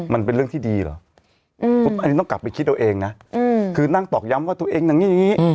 มันเป็นเรื่องที่ดีเหรออันนี้ต้องกลับไปคิดเอาเองนะคือนั่งตอกย้ำว่าตัวเองอย่างนี้